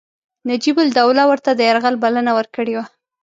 نجیب الدوله ورته د یرغل بلنه ورکړې وه.